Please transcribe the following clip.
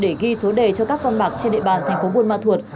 để ghi số đề cho các con bạc trên địa bàn thành phố buôn ma thuột